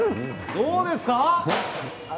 どうですか。